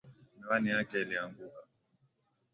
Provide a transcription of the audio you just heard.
Miwani yake ilianguka